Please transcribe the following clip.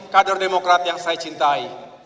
kader demokrat yang saya cintai